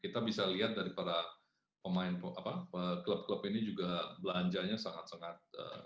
kita bisa lihat dari para pemain klub klub ini juga belanjanya sangat sangat